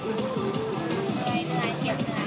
เตะไม่นาน